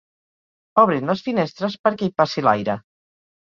Obrin les finestres perquè hi passi l'aire.